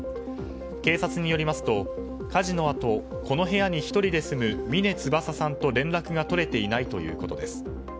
警察によりますと火事のあとこの部屋に１人で住む峰翼さんと連絡が取れていないということです。